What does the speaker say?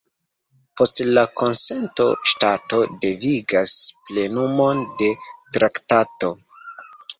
Post la konsento, ŝtato devigas plenumon de traktato.